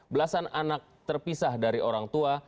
belasan anak terpisah dari orang tua